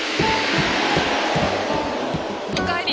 おかえり。